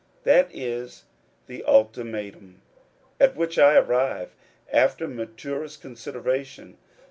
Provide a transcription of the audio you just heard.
That is the *^ ultima tum " at which I arrive, after matnrest consideration.